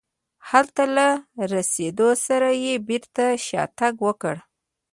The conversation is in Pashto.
هلته له رسېدو سره یې بېرته شاتګ وکړ.